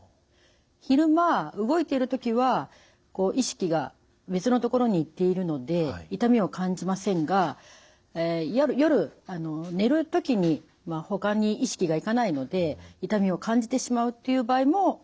昼間動いている時はこう意識が別のところに行っているので痛みを感じませんが夜寝る時にほかに意識が行かないので痛みを感じてしまうっていう場合もあります。